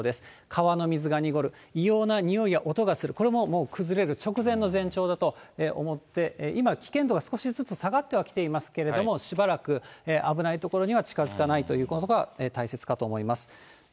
川の水が濁る、異様なにおいや音がする、これももう崩れる直前の前兆だと思って、今、危険度が少しずつ下がってはきていますけれども、しばらく、危ない所には近づかないということが大切かと思います。